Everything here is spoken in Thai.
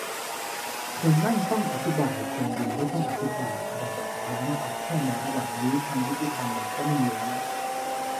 คนนั่ง ต้องอธิบาย คนยืน ไม่ต้องอธิบาย อะไรแบบนั้น เอาแค่ในระดับนี้ ความยุติธรรมมันก็ไม่มีแล้วน่ะ